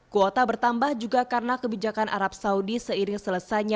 kuota bertambah juga karena kebijakan arab saudi seiring selesainya